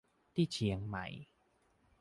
ที่เชียงใหม่